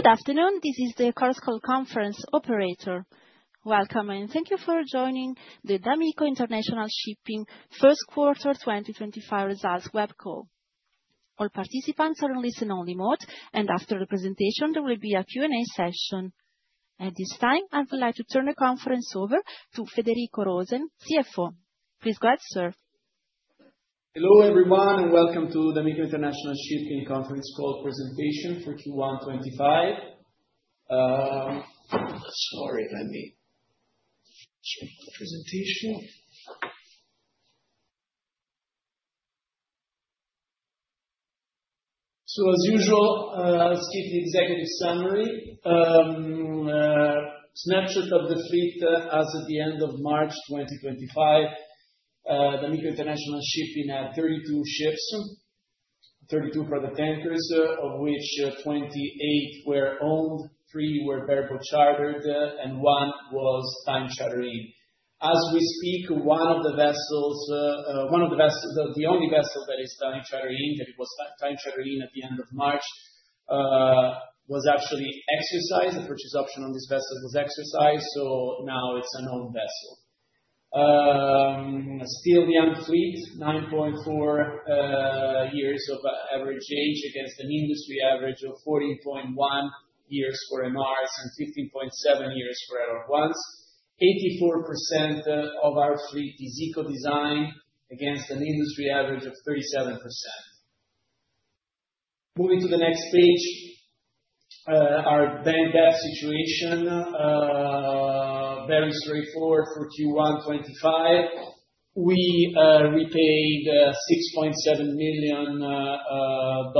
Good afternoon, this is the conference call operator. Welcome and thank you for joining the d'Amico International Shipping First Quarter 2025 Results Web Call. All participants are on listen-only mode, and after the presentation, there will be a Q&A session. At this time, I would like to turn the conference over to Federico Rosen, CFO. Please go ahead, sir. Hello everyone, and welcome to the d'Amico International Shipping Conference Call presentation for Q1 2025. Sorry, let me share my presentation. As usual, let's keep the executive summary. Snapshot of the fleet as of the end of March 2025, d'Amico International Shipping had 32 ships, 32 product tankers, of which 28 were owned, 3 were bareboat chartered, and 1 was time chartering. As we speak, one of the vessels, the only vessel that is time chartering, that was time chartering at the end of March, was actually exercised, the purchase option on this vessel was exercised, so now it is an owned vessel. Still, the unfleet 9.4 years of average age against an industry average of 14.1 years for MRs and 15.7 years for LR1s. 84% of our fleet is eco-designed against an industry average of 37%. Moving to the next page, our bank debt situation very straightforward for Q1 2025. We repaid $6.7 million of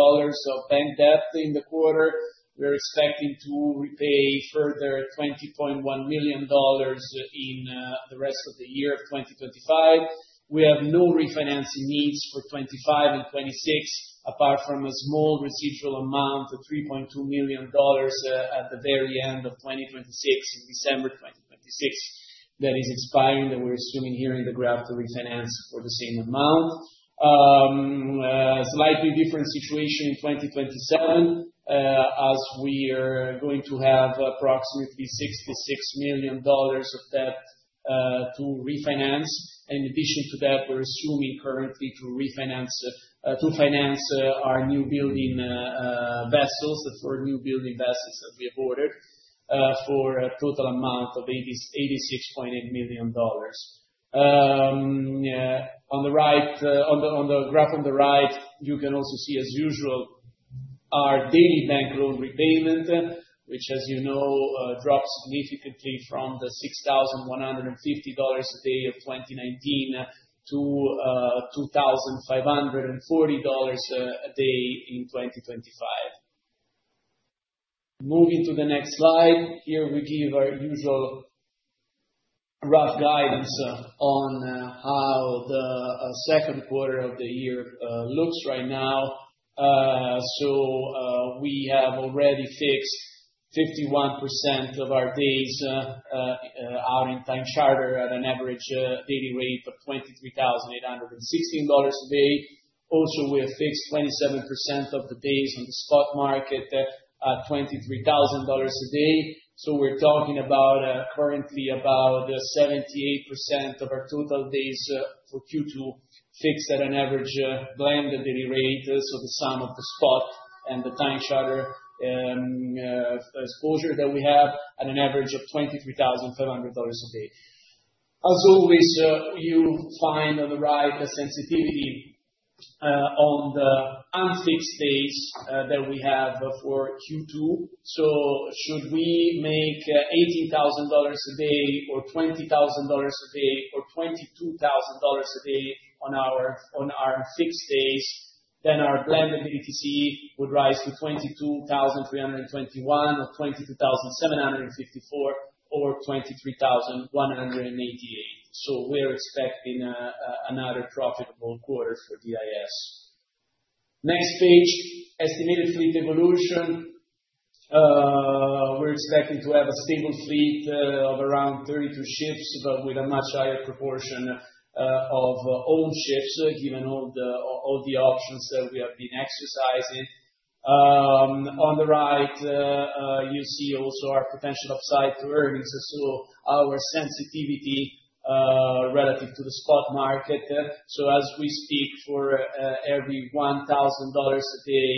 bank debt in the quarter. We're expecting to repay further $20.1 million in the rest of the year of 2025. We have no refinancing needs for 2025 and 2026, apart from a small residual amount of $3.2 million at the very end of 2026, in December 2026, that is expiring, that we're assuming here in the graph to refinance for the same amount. Slightly different situation in 2027, as we are going to have approximately $66 million of debt to refinance. In addition to that, we're assuming currently to refinance, to finance our new building vessels, for new building vessels that we have ordered, for a total amount of $86.8 million. On the right, on the graph on the right, you can also see, as usual, our daily bank loan repayment, which, as you know, dropped significantly from the $6,150 a day of 2019 to $2,540 a day in 2025. Moving to the next slide, here we give our usual rough guidance on how the second quarter of the year looks right now. We have already fixed 51% of our days out in time charter at an average daily rate of $23,816 a day. Also, we have fixed 27% of the days on the spot market at $23,000 a day. We are talking about currently about 78% of our total days for Q2 fixed at an average blended daily rate, so the sum of the spot and the time charter exposure that we have at an average of $23,500 a day. As always, you find on the right the sensitivity on the unfixed days that we have for Q2. Should we make $18,000 a day, or $20,000 a day, or $22,000 a day on our fixed days, then our blended BTC would rise to $22,321, or $22,754, or $23,188. We are expecting another profitable quarter for DIS. Next page, estimated fleet evolution. We are expecting to have a stable fleet of around 32 ships, but with a much higher proportion of owned ships, given all the options that we have been exercising. On the right, you see also our potential upside to earnings, our sensitivity relative to the spot market. As we speak, for every $1,000 a day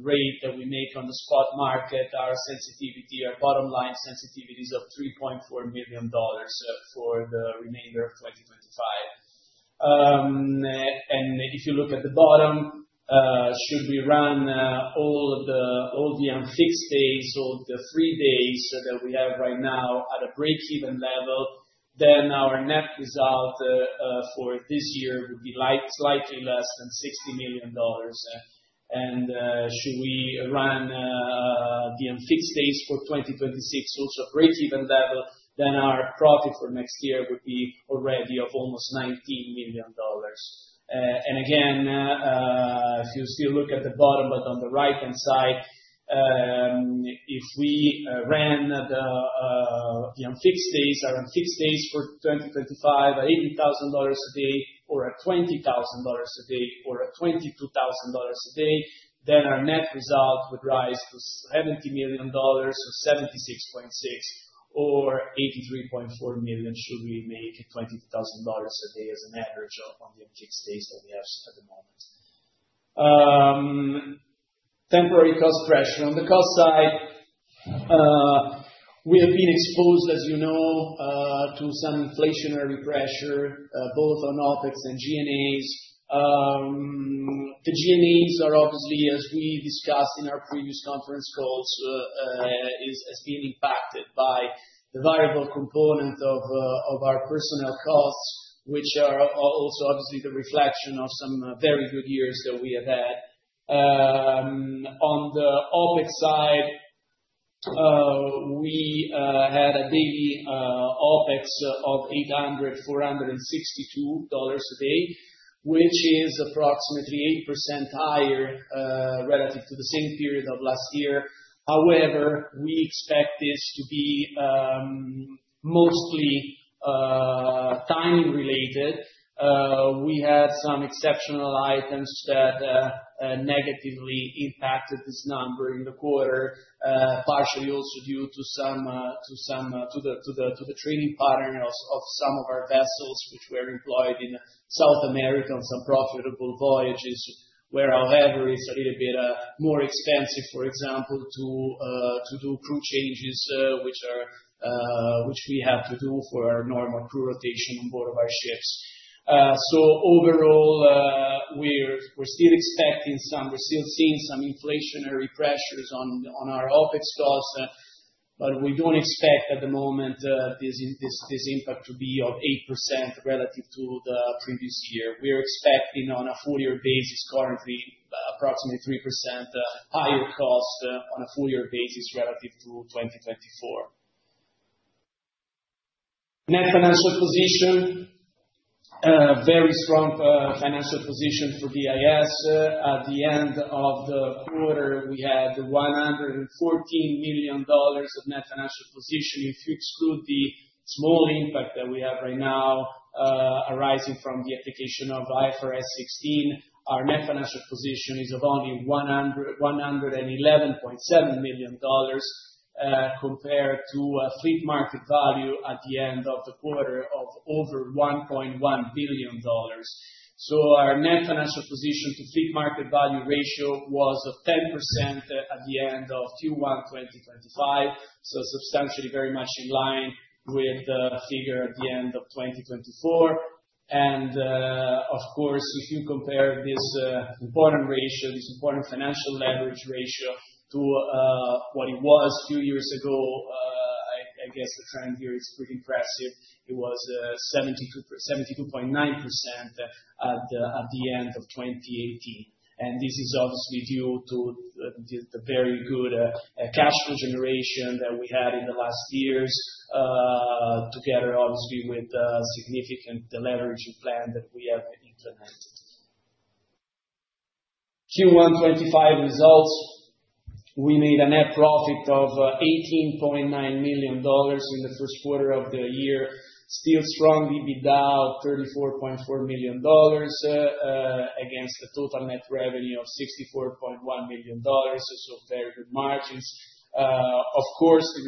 rate that we make on the spot market, our sensitivity, our bottom line sensitivity is of $3.4 million for the remainder of 2025. If you look at the bottom, should we run all the unfixed days, all the free days that we have right now at a break-even level, then our net result for this year would be slightly less than $60 million. Should we run the unfixed days for 2026 also at break-even level, then our profit for next year would be already of almost $19 million. Again, if you still look at the bottom, but on the right-hand side, if we ran the unfixed days, our unfixed days for 2025 at $80,000 a day, or at $20,000 a day, or at $22,000 a day, then our net result would rise to $70 million, so $76.6 million, or $83.4 million should we make $22,000 a day as an average on the unfixed days that we have at the moment. Temporary cost pressure. On the cost side, we have been exposed, as you know, to some inflationary pressure, both on OPEX and G&A. The G&A are obviously, as we discussed in our previous conference calls, has been impacted by the variable component of our personnel costs, which are also obviously the reflection of some very good years that we have had. On the OPEX side, we had a daily OPEX of $8,462 a day, which is approximately 8% higher relative to the same period of last year. However, we expect this to be mostly timing-related. We had some exceptional items that negatively impacted this number in the quarter, partially also due to the trading pattern of some of our vessels, which were employed in South America on some profitable voyages, where, however, it's a little bit more expensive, for example, to do crew changes, which we have to do for our normal crew rotation on board of our ships. Overall, we're still expecting some, we're still seeing some inflationary pressures on our OPEX costs, but we don't expect at the moment this impact to be of 8% relative to the previous year. We're expecting on a full-year basis currently approximately 3% higher cost on a full-year basis relative to 2024. Net financial position, very strong financial position for DIS. At the end of the quarter, we had $114 million of net financial position. If you exclude the small impact that we have right now arising from the application of IFRS 16, our net financial position is of only $111.7 million compared to a fleet market value at the end of the quarter of over $1.1 billion. Our net financial position to fleet market value ratio was of 10% at the end of Q1 2025, substantially very much in line with the figure at the end of 2024. If you compare this important ratio, this important financial leverage ratio to what it was a few years ago, I guess the trend here is pretty impressive. It was 72.9% at the end of 2018. This is obviously due to the very good cash flow generation that we had in the last years, together obviously with significant leveraging plan that we have implemented. 2025 results, we made a net profit of $18.9 million in the first quarter of the year, still strongly beat out $34.4 million against the total net revenue of $64.1 million, so very good margins. Of course, the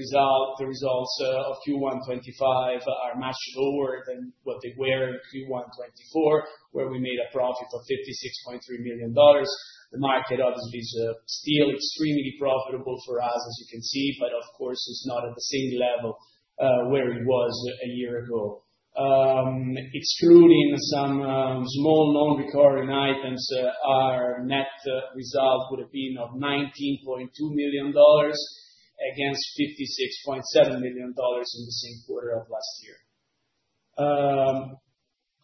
results of Q1 2025 are much lower than what they were in Q1 2024, where we made a profit of $56.3 million. The market obviously is still extremely profitable for us, as you can see, but of course, it's not at the same level where it was a year ago. Excluding some small non-recurring items, our net result would have been $19.2 million against $56.7 million in the same quarter of last year.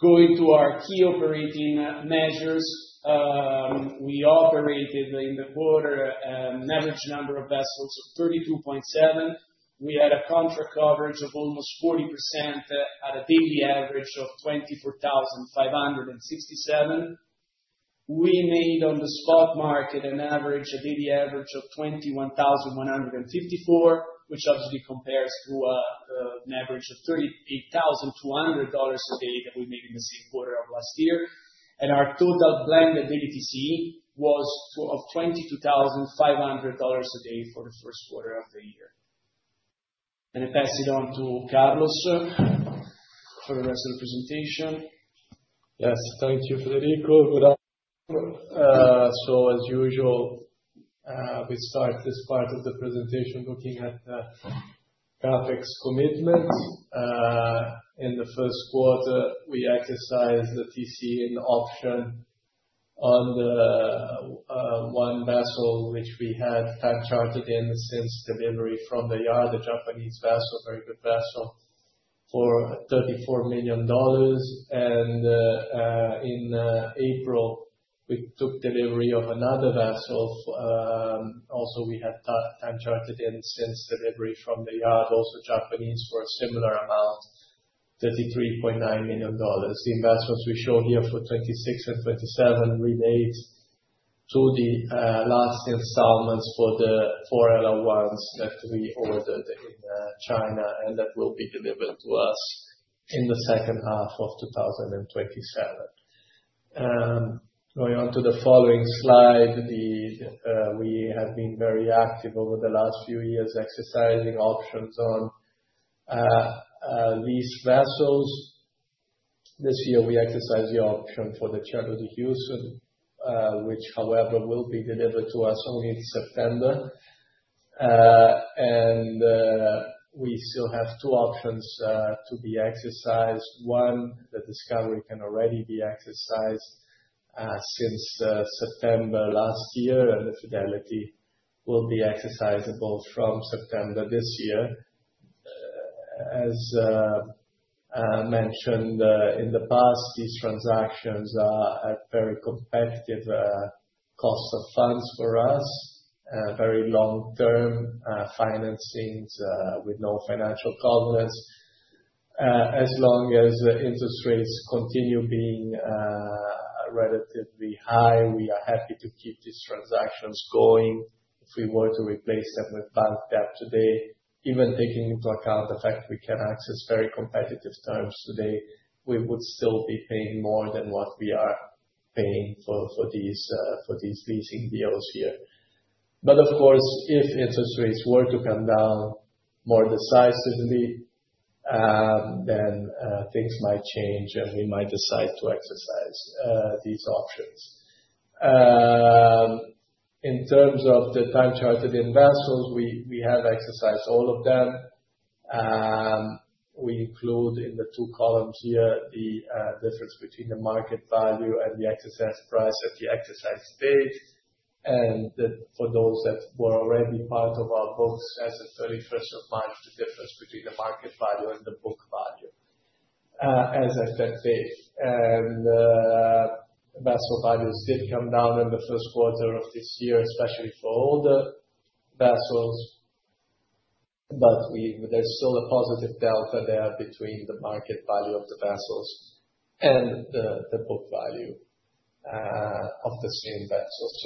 Going to our key operating measures, we operated in the quarter an average number of vessels of 32.7. We had a contract coverage of almost 40% at a daily average of $24,567. We made on the spot market an average daily average of $21,154, which obviously compares to an average of $38,200 a day that we made in the same quarter of last year. Our total blended BTC was $22,500 a day for the first quarter of the year. I pass it on to Carlos for the rest of the presentation. Yes, thank you, Federico. As usual, we start this part of the presentation looking at the CapEx commitments. In the first quarter, we exercised the TC in option on one vessel, which we had time chartered in since delivery from the yard, a Japanese vessel, very good vessel, for $34 million. In April, we took delivery of another vessel. Also, we had time chartered in since delivery from the yard, also Japanese, for a similar amount, $33.9 million. The investments we show here for 2026 and 2027 relate to the last installments for the four LR1s that we ordered in China and that will be delivered to us in the second half of 2027. Going on to the following slide, we have been very active over the last few years exercising options on leased vessels. This year, we exercised the option for the Chattanooga Houston, which, however, will be delivered to us only in September. We still have two options to be exercised. One, the Discovery, can already be exercised since September last year, and the Fidelity will be exercisable from September this year. As mentioned in the past, these transactions are very competitive costs of funds for us, very long-term financings with no financial covenants. As long as interest rates continue being relatively high, we are happy to keep these transactions going. If we were to replace them with bank debt today, even taking into account the fact we can access very competitive terms today, we would still be paying more than what we are paying for these leasing deals here. Of course, if interest rates were to come down more decisively, then things might change and we might decide to exercise these options. In terms of the time chartered in vessels, we have exercised all of them. We include in the two columns here the difference between the market value and the exercised price at the exercised date. For those that were already part of our books as of 31st of March, the difference between the market value and the book value, as of that date. Vessel values did come down in the first quarter of this year, especially for older vessels, but there is still a positive delta there between the market value of the vessels and the book value of the same vessels.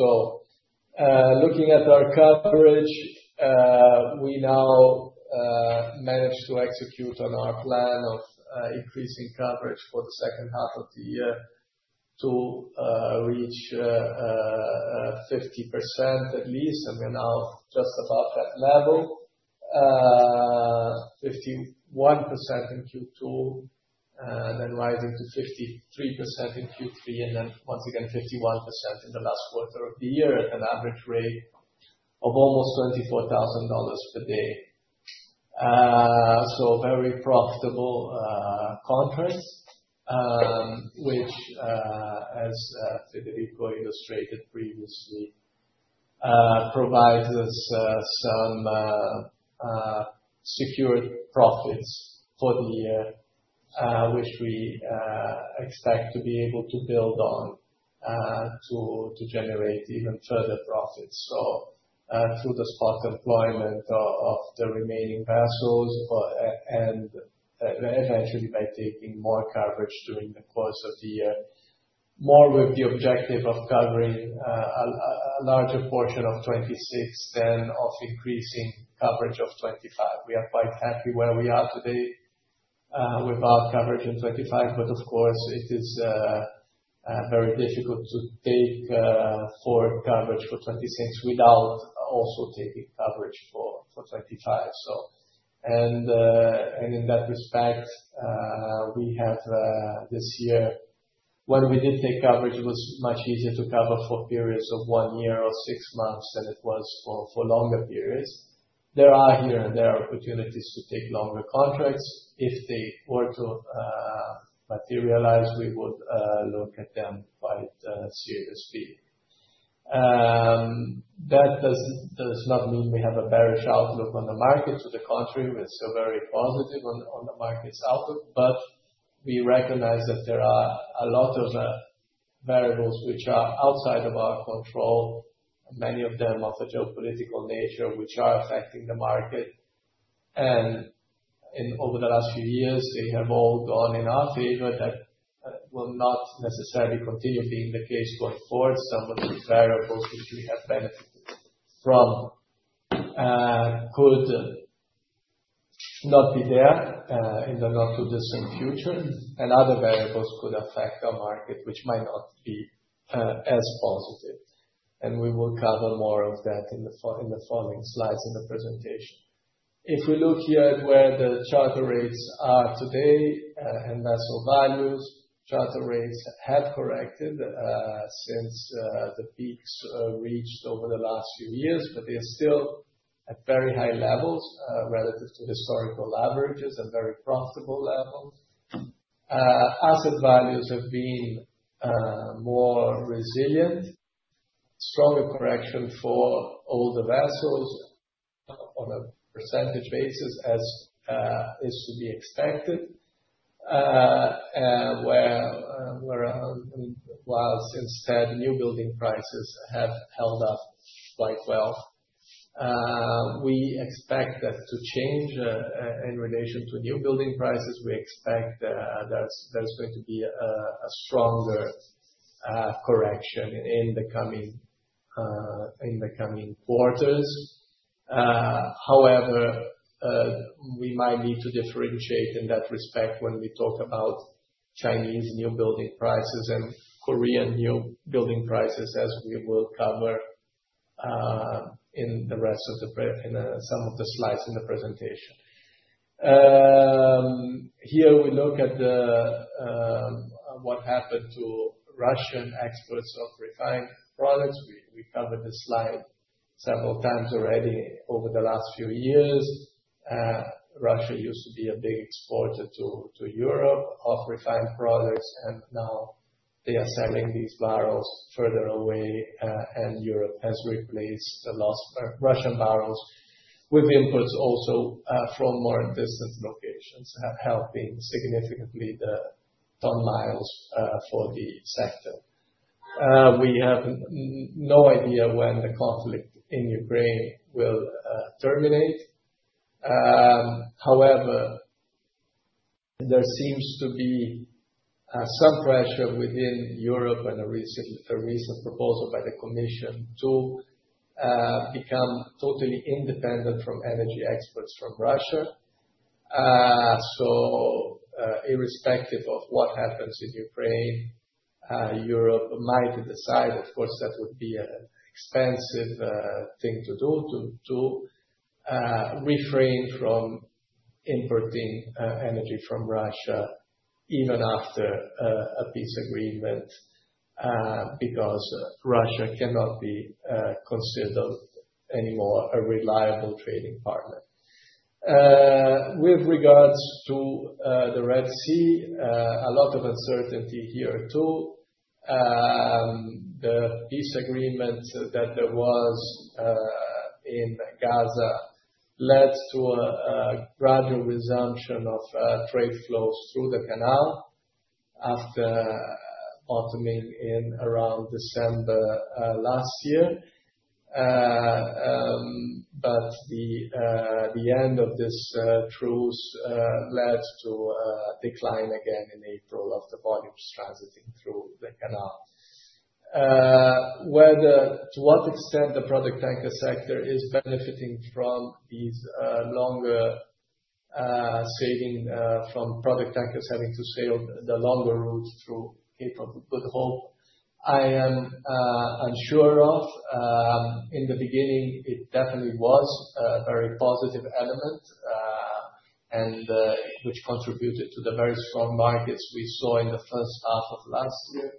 Looking at our coverage, we now manage to execute on our plan of increasing coverage for the second half of the year to reach 50% at least, and we're now just above that level, 51% in Q2, then rising to 53% in Q3, and then once again 51% in the last quarter of the year at an average rate of almost $24,000 per day. Very profitable contracts, which, as Federico illustrated previously, provides us some secured profits for the year, which we expect to be able to build on to generate even further profits. Through the spot employment of the remaining vessels and eventually by taking more coverage during the course of the year, more with the objective of covering a larger portion of 2026 than of increasing coverage of 2025. We are quite happy where we are today without coverage in 2025, but of course, it is very difficult to take full coverage for 2026 without also taking coverage for 2025. In that respect, we have this year, when we did take coverage, it was much easier to cover for periods of one year or six months than it was for longer periods. There are here and there opportunities to take longer contracts. If they were to materialize, we would look at them quite seriously. That does not mean we have a bearish outlook on the market. To the contrary, we're still very positive on the market's outlook, but we recognize that there are a lot of variables which are outside of our control, many of them of a geopolitical nature, which are affecting the market. Over the last few years, they have all gone in our favor. That will not necessarily continue being the case going forward. Some of these variables which we have benefited from could not be there in the not-too-distant future, and other variables could affect our market, which might not be as positive. We will cover more of that in the following slides in the presentation. If we look here at where the charter rates are today and vessel values, charter rates have corrected since the peaks reached over the last few years, but they are still at very high levels relative to historical averages and very profitable levels. Asset values have been more resilient, stronger correction for older vessels on a percentage basis as is to be expected, whereas instead new building prices have held up quite well. We expect that to change in relation to new building prices. We expect there's going to be a stronger correction in the coming quarters. However, we might need to differentiate in that respect when we talk about Chinese new building prices and Korean new building prices, as we will cover in the rest of some of the slides in the presentation. Here we look at what happened to Russian exports of refined products. We covered this slide several times already over the last few years. Russia used to be a big exporter to Europe of refined products, and now they are selling these barrels further away, and Europe has replaced the Russian barrels with inputs also from more distant locations, helping significantly the ton miles for the sector. We have no idea when the conflict in Ukraine will terminate. However, there seems to be some pressure within Europe and a recent proposal by the Commission to become totally independent from energy exports from Russia. Irrespective of what happens in Ukraine, Europe might decide, of course, that would be an expensive thing to do to refrain from importing energy from Russia even after a peace agreement because Russia cannot be considered anymore a reliable trading partner. With regards to the Red Sea, a lot of uncertainty here too. The peace agreement that there was in Gaza led to a gradual resumption of trade flows through the canal after bottoming in around December last year. The end of this truce led to a decline again in April of the volumes transiting through the canal. To what extent the product tanker sector is benefiting from these longer sailing from product tankers having to sail the longer route through Cape of Good Hope, I am unsure of. In the beginning, it definitely was a very positive element, which contributed to the very strong markets we saw in the first half of last year.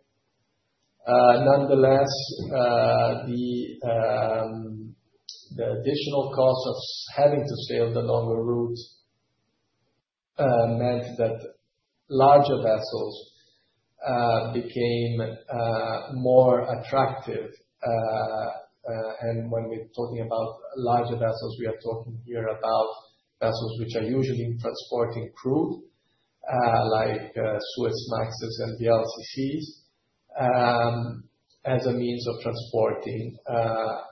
Nonetheless, the additional cost of having to sail the longer route meant that larger vessels became more attractive. When we're talking about larger vessels, we are talking here about vessels which are usually transporting crude, like Suezmaxes and the LCCs, as a means of transporting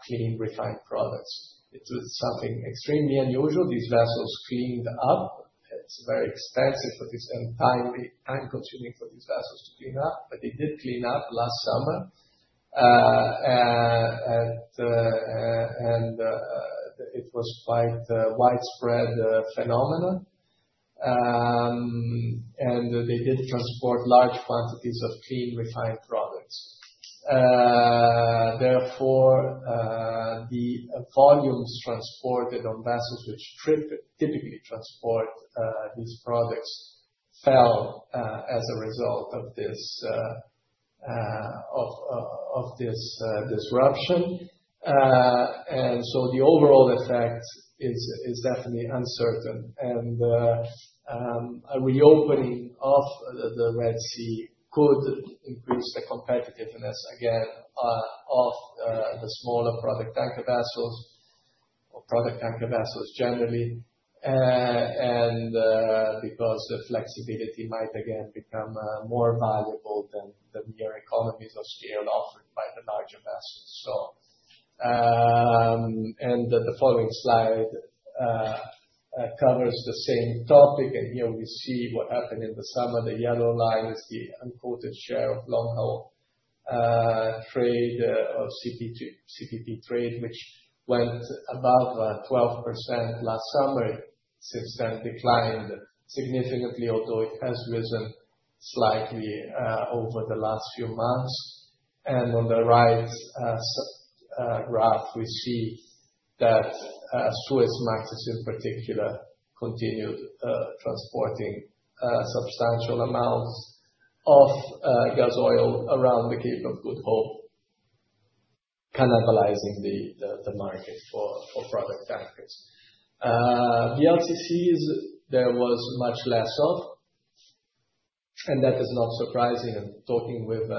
clean refined products. It was something extremely unusual. These vessels cleaned up. It's very expensive for these and time-consuming for these vessels to clean up, but they did clean up last summer. It was quite a widespread phenomenon. They did transport large quantities of clean refined products. Therefore, the volumes transported on vessels which typically transport these products fell as a result of this disruption. The overall effect is definitely uncertain. A reopening of the Red Sea could increase the competitiveness again of the smaller product tanker vessels or product tanker vessels generally, because the flexibility might again become more valuable than the mere economies of scale offered by the larger vessels. The following slide covers the same topic. Here we see what happened in the summer. The yellow line is the unquoted share of long-haul trade or CPP trade, which went above 12% last summer. Since then, it declined significantly, although it has risen slightly over the last few months. On the right graph, we see that Suezmaxes in particular continued transporting substantial amounts of gas oil around the Cape of Good Hope, cannibalizing the market for product tankers. The LCCs, there was much less of. That is not surprising. Talking with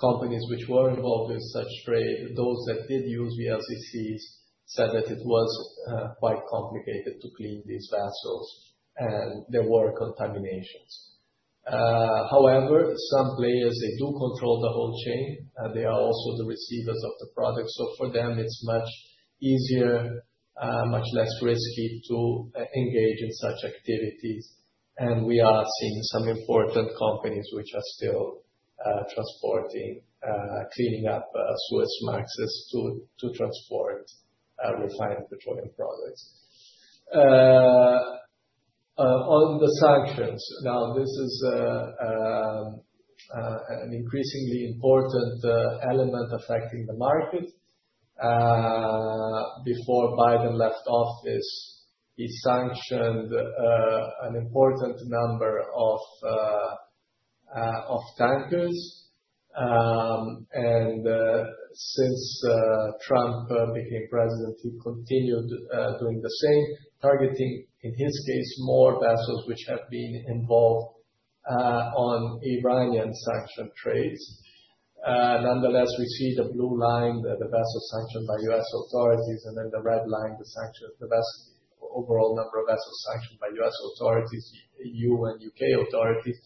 companies which were involved in such trade, those that did use the LCCs said that it was quite complicated to clean these vessels and there were contaminations. However, some players, they do control the whole chain, and they are also the receivers of the products. For them, it is much easier, much less risky to engage in such activities. We are seeing some important companies which are still transporting, cleaning up Suezmaxes to transport refined petroleum products. On the sanctions, now this is an increasingly important element affecting the market. Before Biden left office, he sanctioned an important number of tankers. Since Trump became president, he continued doing the same, targeting, in his case, more vessels which have been involved on Iranian sanctioned trades. Nonetheless, we see the blue line, the vessels sanctioned by U.S. authorities, and then the red line, the overall number of vessels sanctioned by U.S. authorities, EU and U.K. authorities.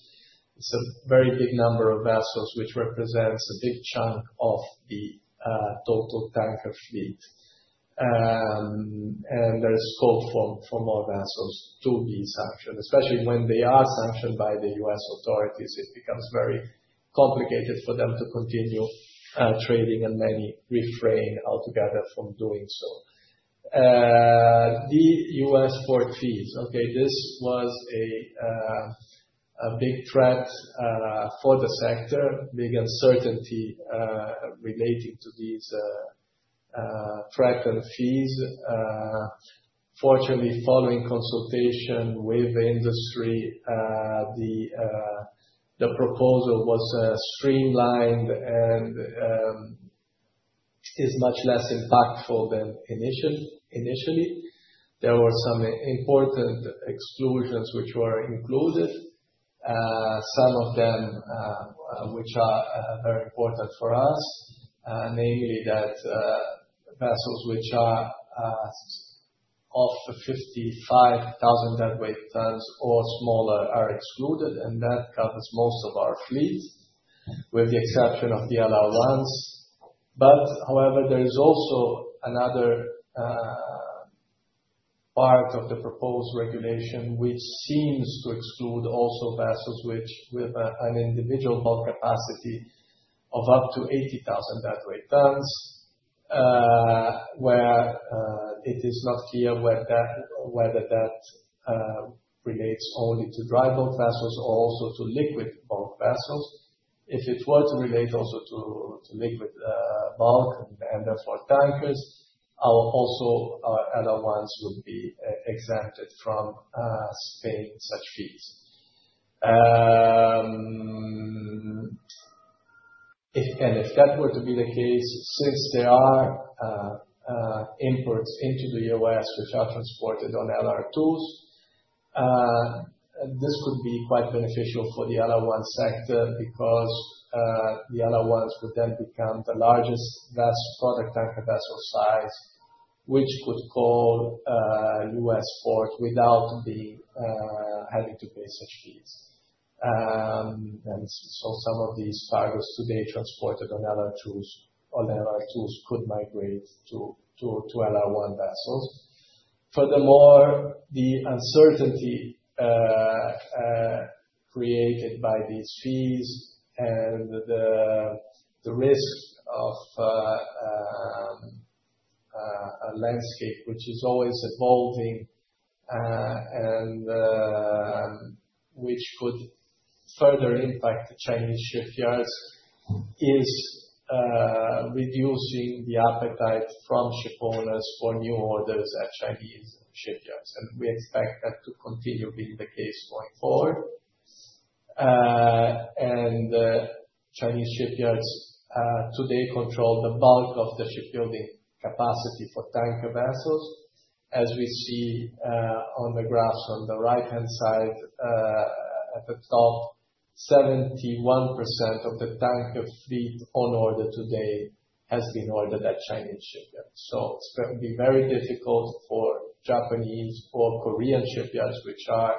It's a very big number of vessels, which represents a big chunk of the total tanker fleet. There is scope for more vessels to be sanctioned, especially when they are sanctioned by the U.S. authorities. It becomes very complicated for them to continue trading and many refrain altogether from doing so. The U.S. port fees. Okay, this was a big threat for the sector, big uncertainty relating to these threatened fees. Fortunately, following consultation with the industry, the proposal was streamlined and is much less impactful than initially. There were some important exclusions which were included, some of them which are very important for us, namely that vessels which are of 55,000 deadweight tons or smaller are excluded, and that covers most of our fleet, with the exception of the allowed ones. However, there is also another part of the proposed regulation which seems to exclude also vessels with an individual bulk capacity of up to 80,000 deadweight tons, where it is not clear whether that relates only to dry bulk vessels or also to liquid bulk vessels. If it were to relate also to liquid bulk and therefore tankers, also allowed ones would be exempted from paying such fees. If that were to be the case, since there are imports into the U.S. which are transported on LR1s, this could be quite beneficial for the LR1 sector because the LR1s would then become the largest product tanker vessel size which could call U.S. port without having to pay such fees. Some of these cargoes today transported on LR2s could migrate to LR1 vessels. Furthermore, the uncertainty created by these fees and the risk of a landscape which is always evolving and which could further impact the Chinese shipyards is reducing the appetite from shipowners for new orders at Chinese shipyards. We expect that to continue being the case going forward. Chinese shipyards today control the bulk of the shipbuilding capacity for tanker vessels. As we see on the graphs on the right-hand side, at the top, 71% of the tanker fleet on order today has been ordered at Chinese shipyards. It is going to be very difficult for Japanese or Korean shipyards, which are,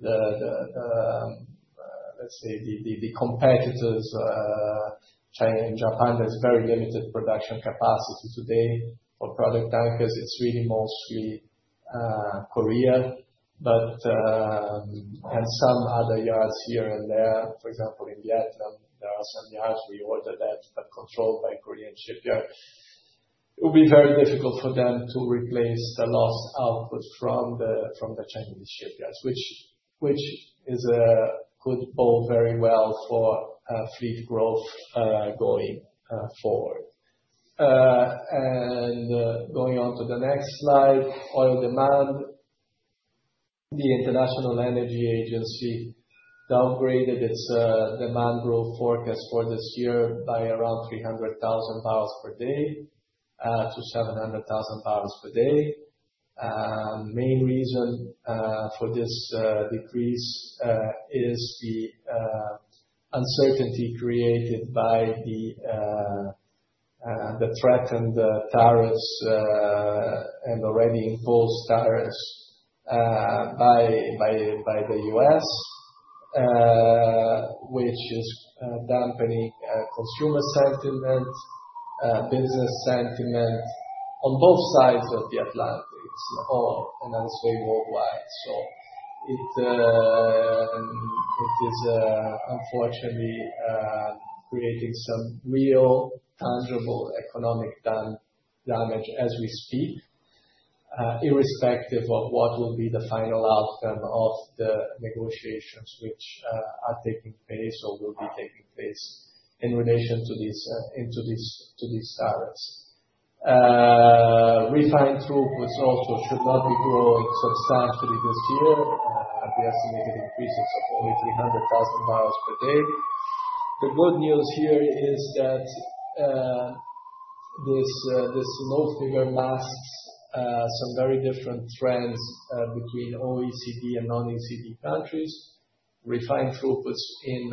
let's say, the competitors in Japan. There is very limited production capacity today for product tankers. It is really mostly Korea, and some other yards here and there. For example, in Vietnam, there are some yards we ordered that are controlled by Korean shipyards. It will be very difficult for them to replace the lost output from the Chinese shipyards, which could bode very well for fleet growth going forward. Going on to the next slide, oil demand. The International Energy Agency downgraded its demand growth forecast for this year by around 300,000 barrels per day to 700,000 barrels per day. Main reason for this decrease is the uncertainty created by the threatened tariffs and already imposed tariffs by the U.S., which is dampening consumer sentiment, business sentiment on both sides of the Atlantic and also worldwide. It is unfortunately creating some real tangible economic damage as we speak, irrespective of what will be the final outcome of the negotiations which are taking place or will be taking place in relation to these tariffs. Refined crude was also should not be growing substantially this year, with estimated increases of only 300,000 barrels per day. The good news here is that this low figure masks some very different trends between OECD and non-OECD countries. Refined crude was in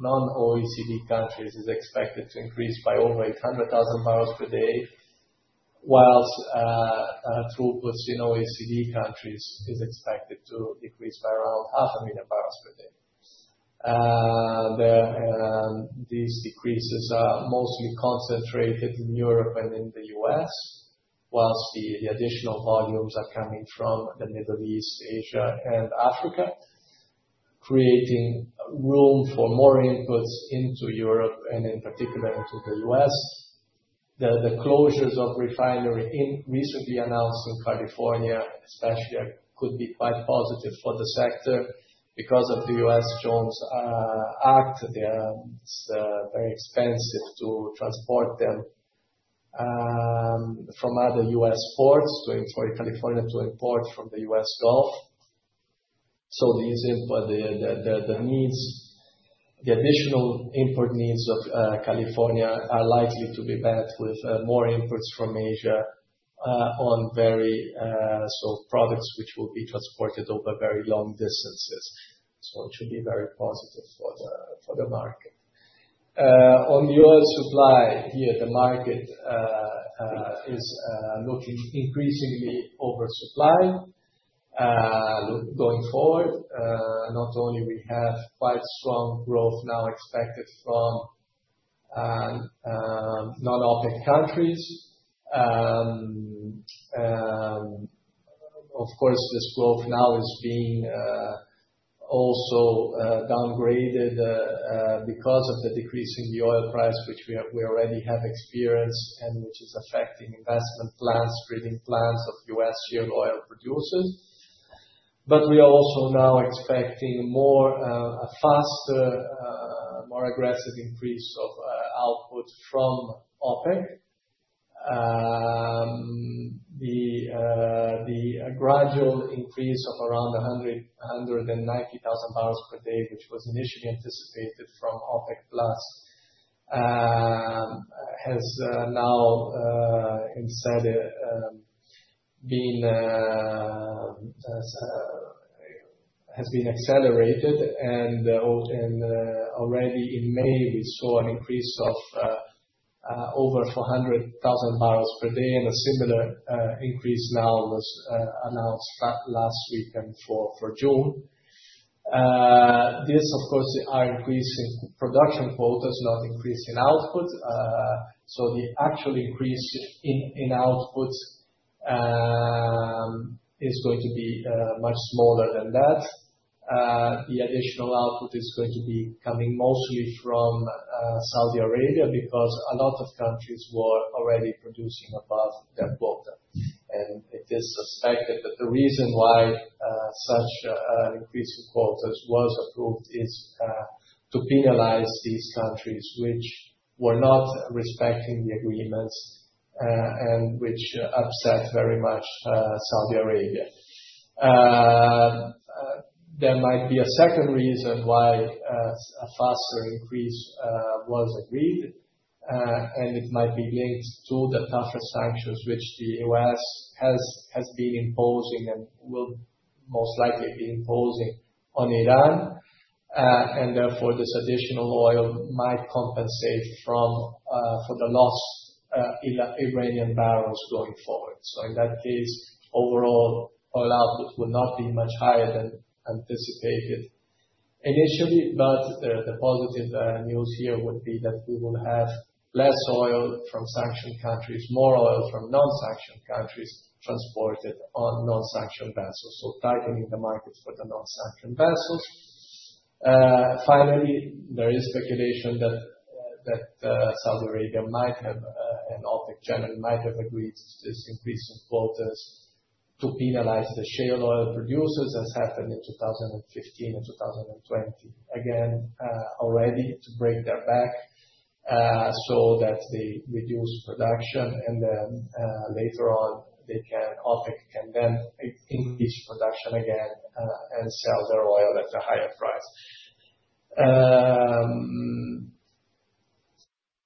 non-OECD countries is expected to increase by over 800,000 barrels per day, whilst crude was in OECD countries is expected to decrease by around 500,000 barrels per day. These decreases are mostly concentrated in Europe and in the U.S., whilst the additional volumes are coming from the Middle East, Asia, and Africa, creating room for more inputs into Europe and in particular into the U.S.. The closures of refinery recently announced in California especially could be quite positive for the sector because of the U.S. Jones Act. It's very expensive to transport them from other U.S. ports to California to import from the U.S. Gulf. The additional import needs of California are likely to be met with more inputs from Asia on very so products which will be transported over very long distances. It should be very positive for the market. On the oil supply here, the market is looking increasingly oversupplied going forward. Not only we have quite strong growth now expected from non-OPEC countries. Of course, this growth now is being also downgraded because of the decrease in the oil price, which we already have experienced and which is affecting investment plans, trading plans of U.S. shale oil producers. We are also now expecting a faster, more aggressive increase of output from OPEC. The gradual increase of around 190,000 barrels per day, which was initially anticipated from OPEC Plus, has now been accelerated. Already in May, we saw an increase of over 400,000 barrels per day. A similar increase now was announced last weekend for June. This, of course, is increasing production quotas, not increasing output. The actual increase in output is going to be much smaller than that. The additional output is going to be coming mostly from Saudi Arabia because a lot of countries were already producing above their quota. It is suspected that the reason why such an increase in quotas was approved is to penalize these countries which were not respecting the agreements and which upset very much Saudi Arabia. There might be a second reason why a faster increase was agreed, and it might be linked to the tougher sanctions which the U.S. has been imposing and will most likely be imposing on Iran. Therefore, this additional oil might compensate for the lost Iranian barrels going forward. In that case, overall oil output would not be much higher than anticipated initially. The positive news here would be that we will have less oil from sanctioned countries, more oil from non-sanctioned countries transported on non-sanctioned vessels. This tightens the markets for the non-sanctioned vessels. Finally, there is speculation that Saudi Arabia might have and OPEC generally might have agreed to this increase in quotas to penalize the shale oil producers as happened in 2015 and 2020. Again, already to break their back so that they reduce production and then later on, OPEC can then increase production again and sell their oil at a higher price.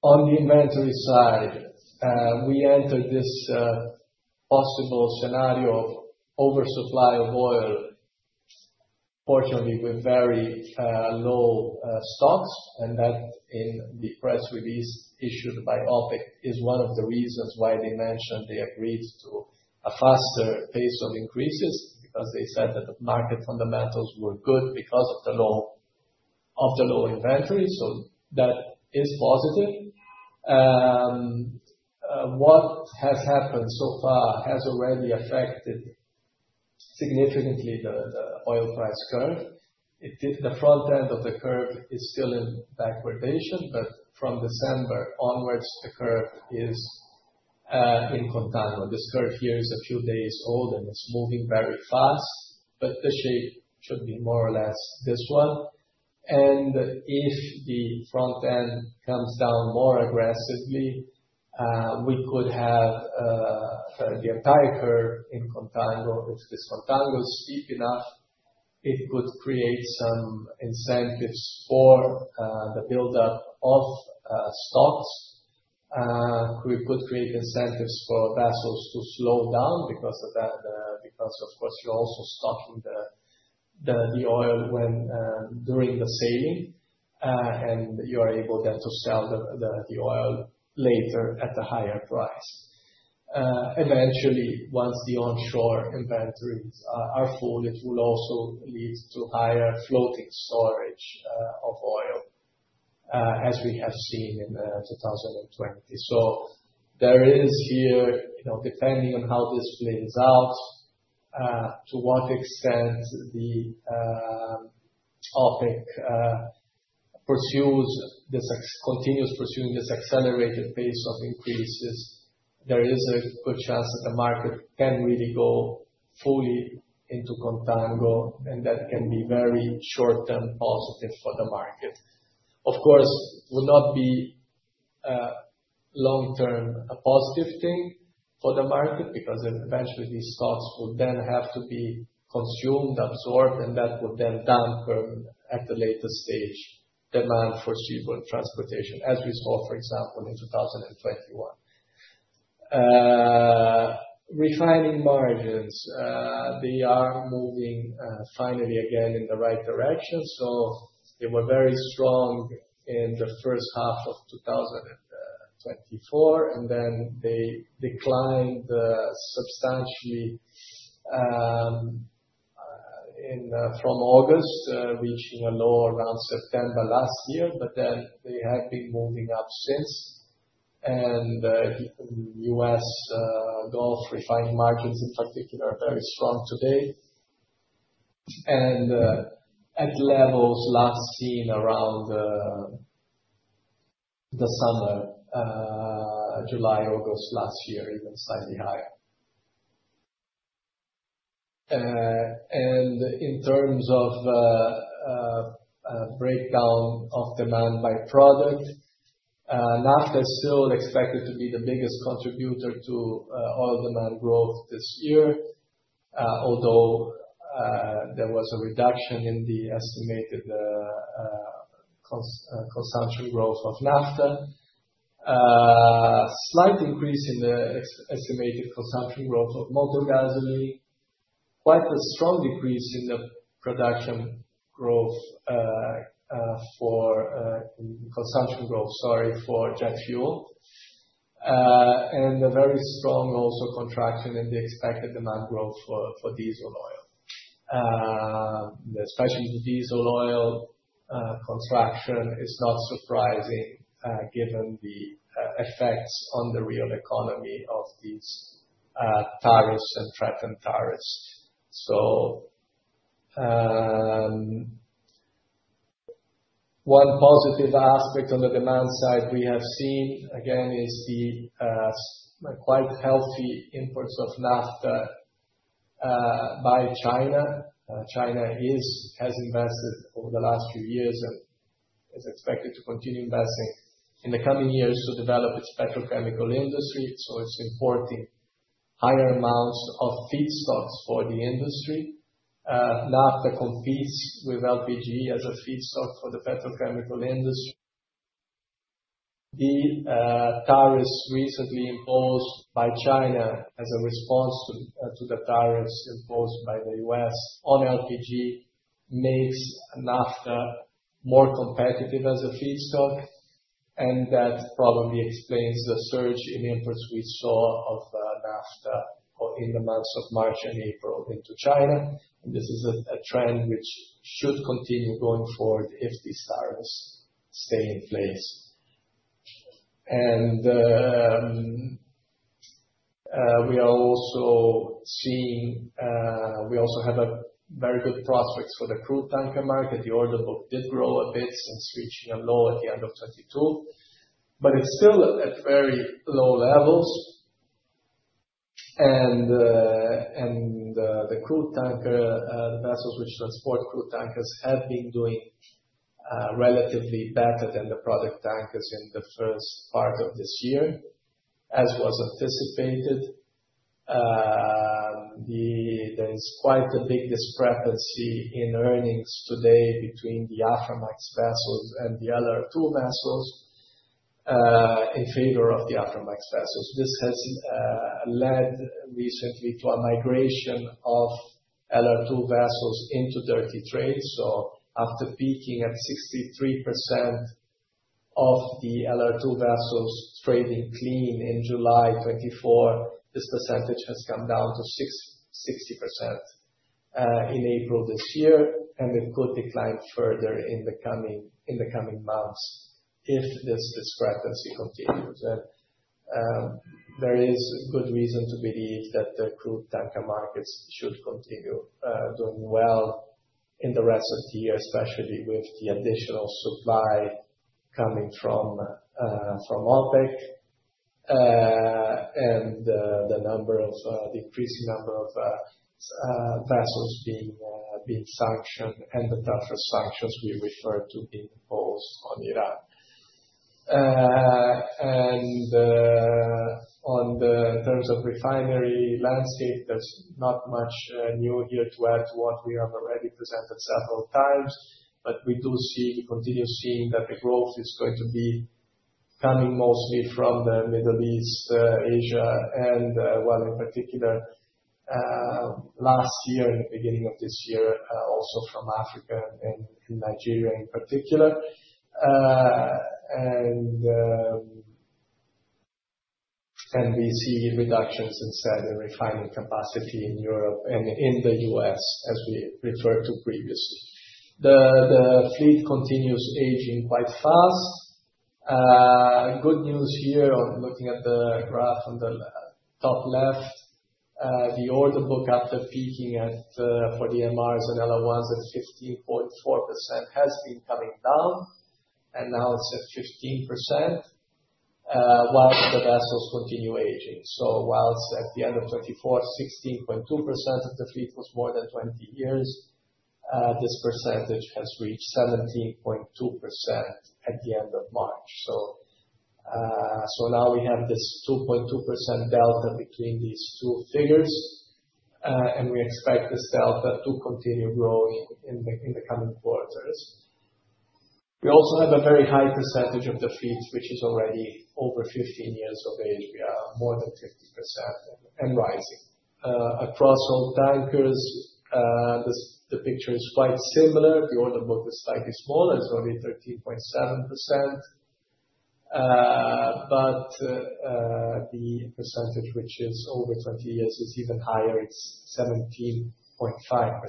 On the inventory side, we entered this possible scenario of oversupply of oil, fortunately with very low stocks. That in the press release issued by OPEC is one of the reasons why they mentioned they agreed to a faster pace of increases because they said that the market fundamentals were good because of the low inventory. That is positive. What has happened so far has already affected significantly the oil price curve. The front end of the curve is still in backwardation, but from December onwards, the curve is in contango. This curve here is a few days old, and it is moving very fast, but the shape should be more or less this one. If the front end comes down more aggressively, we could have the entire curve in contango. If this contango is steep enough, it could create some incentives for the buildup of stocks. We could create incentives for vessels to slow down because, of course, you are also stocking the oil during the sailing, and you are able then to sell the oil later at a higher price. Eventually, once the onshore inventories are full, it will also lead to higher floating storage of oil as we have seen in 2020. There is here, depending on how this plays out, to what extent OPEC continues pursuing this accelerated pace of increases, a good chance that the market can really go fully into contango, and that can be very short-term positive for the market. Of course, it would not be long-term a positive thing for the market because eventually these stocks will then have to be consumed, absorbed, and that would then dampen at the latest stage demand for shipboard transportation, as we saw, for example, in 2021. Refining margins, they are moving finally again in the right direction. They were very strong in the first half of 2024, and then they declined substantially from August, reaching a low around September last year, but then they have been moving up since. The U.S. Gulf refining markets in particular are very strong today and at levels last seen around the summer, July, August last year, even slightly higher. In terms of breakdown of demand by product, naphtha is still expected to be the biggest contributor to oil demand growth this year, although there was a reduction in the estimated consumption growth of naphtha. There is a slight increase in the estimated consumption growth of motor gasoline, quite a strong decrease in the consumption growth for jet fuel, and a very strong also contraction in the expected demand growth for diesel oil. The specialty diesel oil contraction is not surprising given the effects on the real economy of these tariffs and threatened tariffs. One positive aspect on the demand side we have seen, again, is the quite healthy imports of naphtha by China. China has invested over the last few years and is expected to continue investing in the coming years to develop its petrochemical industry. It is importing higher amounts of feedstocks for the industry. Naphtha competes with LPG as a feedstock for the petrochemical industry. The tariffs recently imposed by China as a response to the tariffs imposed by the U.S. on LPG make naphtha more competitive as a feedstock. That probably explains the surge in imports we saw of naphtha in the months of March and April into China. This is a trend which should continue going forward if these tariffs stay in place. We are also seeing very good prospects for the crude tanker market. The order book did grow a bit since reaching a low at the end of 2022, but it is still at very low levels. The crude tanker vessels which transport crude tankers have been doing relatively better than the product tankers in the first part of this year, as was anticipated. There is quite a big discrepancy in earnings today between the Aframax vessels and the LR2 vessels in favor of the Aframax vessels. This has led recently to a migration of LR2 vessels into dirty trade. After peaking at 63% of the LR2 vessels trading clean in July 2024, this percentage has come down to 60% in April this year. It could decline further in the coming months if this discrepancy continues. There is good reason to believe that the crude tanker markets should continue doing well in the rest of the year, especially with the additional supply coming from OPEC and the decreasing number of vessels being sanctioned and the tougher sanctions we refer to being imposed on Iran. In terms of refinery landscape, there is not much new here to add to what we have already presented several times, but we do continue seeing that the growth is going to be coming mostly from the Middle East, Asia, and in particular, last year and the beginning of this year, also from Africa and Nigeria in particular. We see reductions in said refining capacity in Europe and in the U.S., as we referred to previously. The fleet continues aging quite fast. Good news here on looking at the graph on the top left. The order book after peaking for the MRs and LR1s at 15.4% has been coming down, and now it's at 15%, while the vessels continue aging. So whilst at the end of 2024, 16.2% of the fleet was more than 20 years, this percentage has reached 17.2% at the end of March. So now we have this 2.2% delta between these two figures, and we expect this delta to continue growing in the coming quarters. We also have a very high percentage of the fleet, which is already over 15 years of age. We are more than 50% and rising. Across all tankers, the picture is quite similar. The order book is slightly smaller. It's only 13.7%. But the percentage, which is over 20 years, is even higher. It's 17.5%.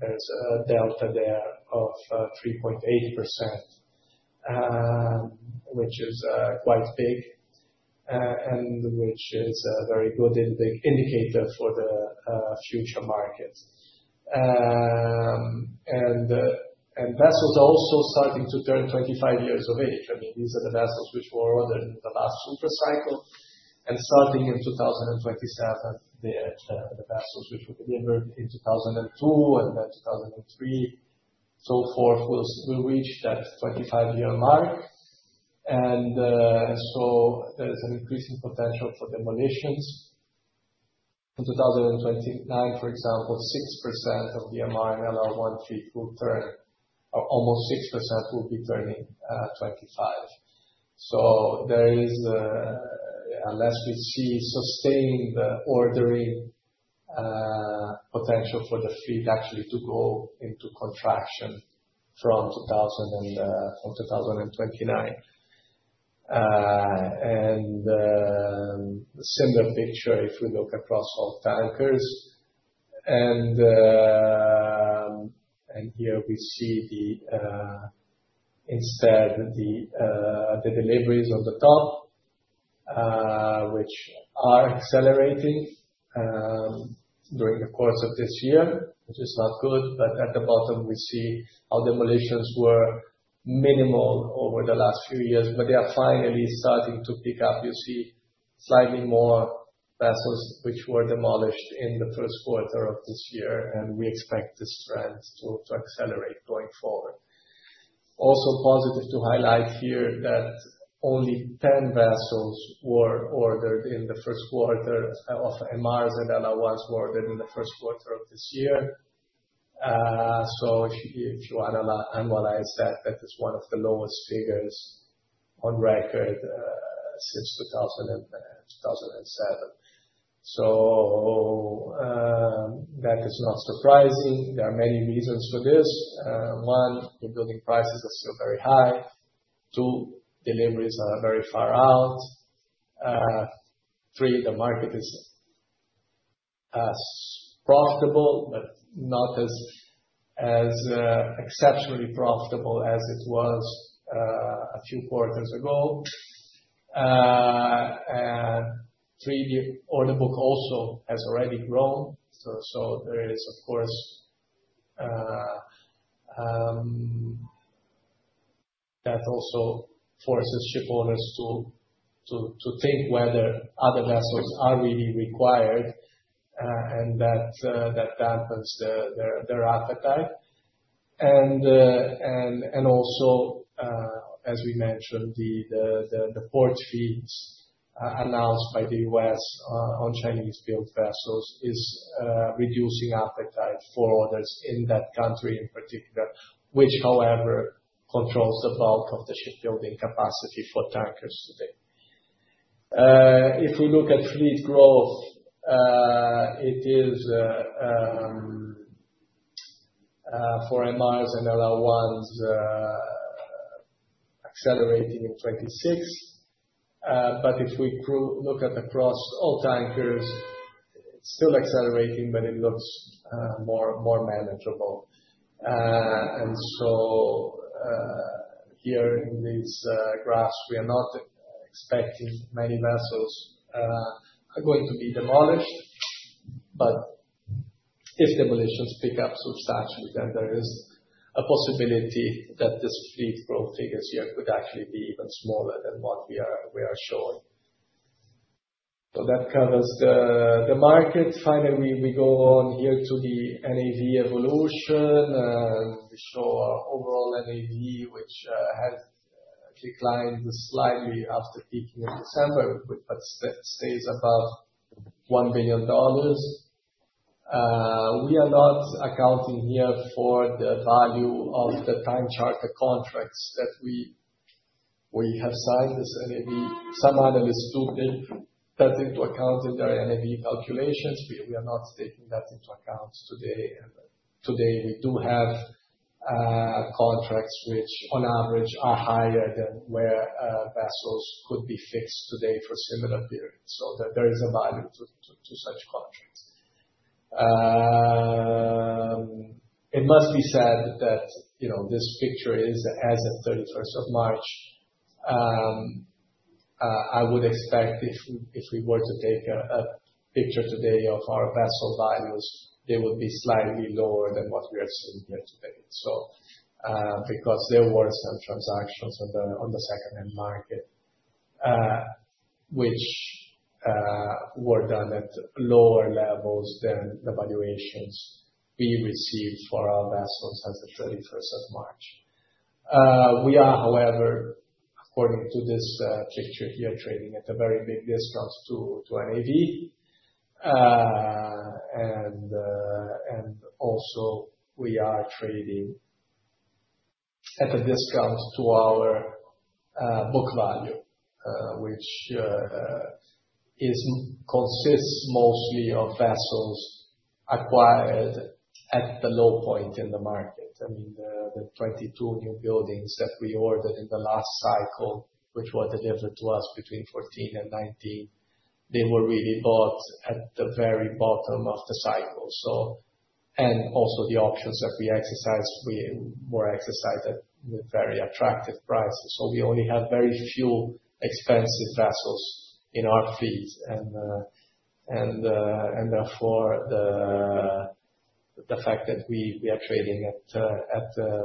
There is a delta there of 3.8%, which is quite big and which is a very good indicator for the future market. Vessels are also starting to turn 25 years of age. I mean, these are the vessels which were ordered in the last supercycle. Starting in 2027, the vessels which were delivered in 2002 and then 2003, so forth, will reach that 25-year mark. There is an increasing potential for demolitions. In 2029, for example, 6% of the MR and LR1 fleet will turn, or almost 6% will be turning 25. Unless we see sustained ordering, there is potential for the fleet actually to go into contraction from 2029. A similar picture if we look across all tankers. Here we see instead the deliveries on the top, which are accelerating during the course of this year, which is not good. At the bottom, we see how demolitions were minimal over the last few years, but they are finally starting to pick up. You see slightly more vessels which were demolished in the first quarter of this year, and we expect this trend to accelerate going forward. Also positive to highlight here that only 10 vessels were ordered in the first quarter of MRs and LR1s were ordered in the first quarter of this year. If you analyze that, that is one of the lowest figures on record since 2000 and 2007. That is not surprising. There are many reasons for this. One, the building prices are still very high. Two, deliveries are very far out. Three, the market is profitable, but not as exceptionally profitable as it was a few quarters ago. Three, the order book also has already grown. There is, of course, that also forces shipowners to think whether other vessels are really required, and that dampens their appetite. Also, as we mentioned, the port fees announced by the U.S. on Chinese-built vessels is reducing appetite for orders in that country in particular, which, however, controls the bulk of the shipbuilding capacity for tankers today. If we look at fleet growth, it is for MRs and LR1s accelerating in 2026. If we look at across all tankers, it is still accelerating, but it looks more manageable. Here in these graphs, we are not expecting many vessels are going to be demolished. If demolitions pick up substantially, then there is a possibility that this fleet growth figures here could actually be even smaller than what we are showing. That covers the market. Finally, we go on here to the NAV evolution. We show our overall NAV, which has declined slightly after peaking in December, but stays above $1 billion. We are not accounting here for the value of the time-charter contracts that we have signed. Some analysts do take that into account in their NAV calculations. We are not taking that into account today. Today, we do have contracts which, on average, are higher than where vessels could be fixed today for similar periods. So there is a value to such contracts. It must be said that this picture is as of 31st of March. I would expect if we were to take a picture today of our vessel values, they would be slightly lower than what we are seeing here today. Because there were some transactions on the second-hand market, which were done at lower levels than the valuations we received for our vessels as of 31st of March. We are, however, according to this picture here, trading at a very big discount to NAV. Also, we are trading at a discount to our book value, which consists mostly of vessels acquired at the low point in the market. I mean, the 22 new buildings that we ordered in the last cycle, which were delivered to us between 2014 and 2019, they were really bought at the very bottom of the cycle. Also the options that we exercised were exercised at very attractive prices. We only have very few expensive vessels in our fleet. Therefore, the fact that we are trading at a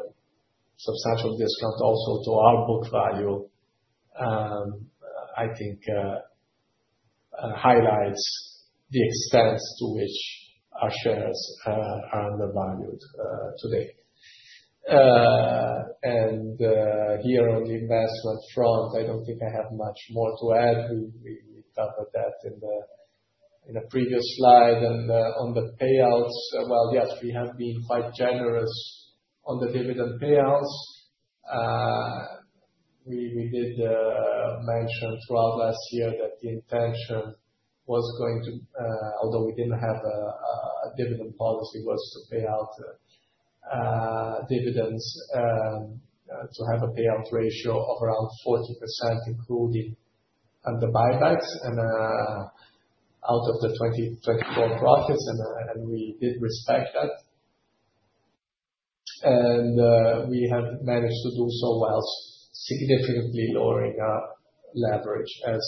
substantial discount also to our book value, I think, highlights the extent to which our shares are undervalued today. Here on the investment front, I do not think I have much more to add. We covered that in a previous slide. On the payouts, yes, we have been quite generous on the dividend payouts. We did mention throughout last year that the intention was going to, although we did not have a dividend policy, was to pay out dividends, to have a payout ratio of around 40%, including the buybacks and out of the 2024 profits. We did respect that. We have managed to do so while significantly lowering our leverage, as